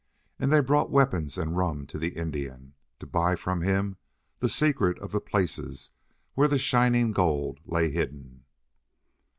And they brought weapons and rum to the Indian, to buy from him the secret of the places where the shining gold lay hidden.